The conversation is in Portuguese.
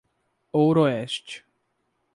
Ouroeste